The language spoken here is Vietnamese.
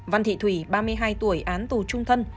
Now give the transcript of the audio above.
văn thị thủy ba mươi hai tuổi án tù trung thân